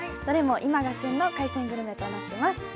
どれも今が旬の海鮮グルメとなっています。